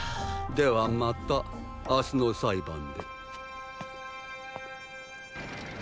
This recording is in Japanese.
ではまた明日の裁判で。